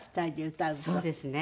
そうですね。